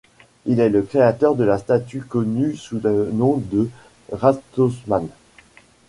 Il est le créateur de la statue connue sous le nom de Rathausmann.